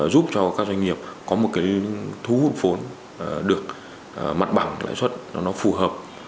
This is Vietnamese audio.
giúp cho các doanh nghiệp có một thú vụ vốn được mặt bằng lãi xuất nó phù hợp